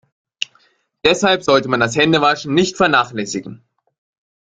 Deshalb sollte man das Händewaschen nicht vernachlässigen.